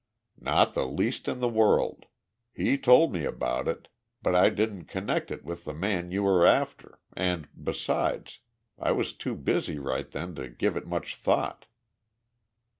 "Not the least in the world. He told me about it, but I didn't connect it with the man you were after, and, besides, I was too busy right then to give it much thought."